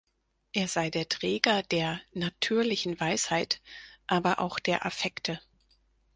Er sei der Träger der „natürlichen Weisheit“, aber auch der Affekte.